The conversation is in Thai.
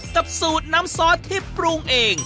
กับสูตรน้ำซอสที่ปรุงเอง